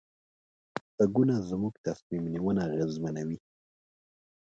غږونه زموږ تصمیم نیونه اغېزمنوي.